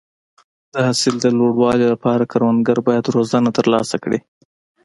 د حاصل د لوړوالي لپاره کروندګر باید روزنه ترلاسه کړي.